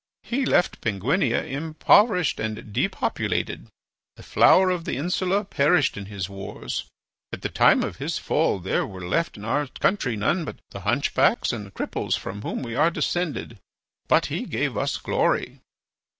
He left Penguinia impoverished and depopulated. The flower of the insula perished in his wars. At the time of his fall there were left in our country none but the hunchbacks and cripples from whom we are descended. But he gave us glory."